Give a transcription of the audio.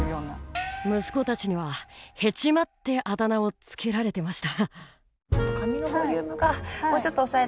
「息子たちにはへちまってあだ名を付けられてました」。